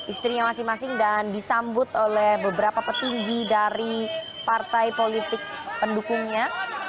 istrinya masing masing dan disambut oleh beberapa petinggi dari partai politik pendukungnya